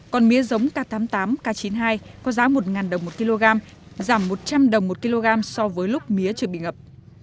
còn mía giống k tám mươi tám k chín mươi hai có giá một đồng một kg giảm một trăm linh đồng một kg so với lúc mía chưa bị ngập